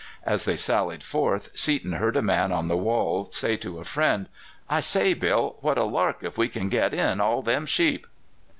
As they sallied forth Seaton heard a man on the walls say to a friend, "I say, Bill, what a lark if we can get in all them sheep!"